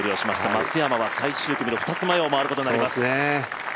松山は最終組の２つ前を回ることになります。